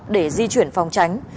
để di chuyển phòng tránh